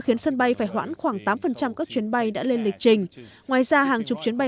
khiến sân bay phải hoãn khoảng tám các chuyến bay đã lên lịch trình ngoài ra hàng chục chuyến bay